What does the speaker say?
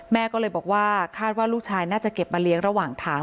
แม่ก็เลยบอกว่าคาดว่าลูกชายน่าจะเก็บมาเลี้ยงระหว่างทาง